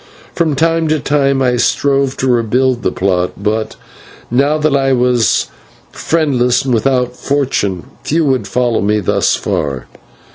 From time to time I strove to rebuild the plot; but, now that I was friendless and without fortune, few would follow me thus far.